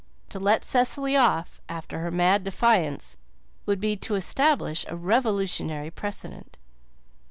To let Cecily off, after her mad defiance, would be to establish a revolutionary precedent.